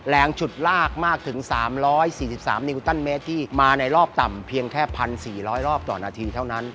ฉุดลากมากถึง๓๔๓นิวตันเมตรที่มาในรอบต่ำเพียงแค่๑๔๐๐รอบต่อนาทีเท่านั้น